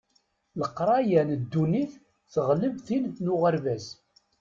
Leqraya n ddunit teɣleb tin n uɣerbaz.